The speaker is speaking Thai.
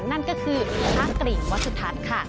นั่นก็คือพระกริงวัสดธรรมค่ะ